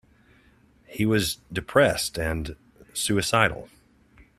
He was depressed and suicidal.